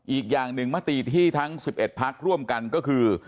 อีกอย่างหนึ่งมติที่ทั้ง๑๑พักร่วมกันก็คือ